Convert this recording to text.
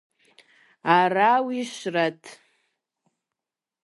Арауи щрет!